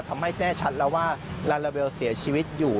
ทำให้แน่ชัดแล้วว่าลาลาเบลเสียชีวิตอยู่